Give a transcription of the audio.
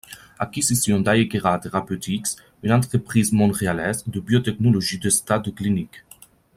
Acquisition d'Aegera Therapeutics, une entreprise montréalaise de biotechnologie de stade clinique.